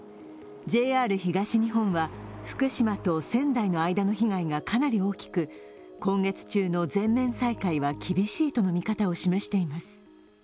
ＪＲ東日本は福島と仙台の間の被害がかなり大きく今月中の全面再開は厳しいとの見方を示しています。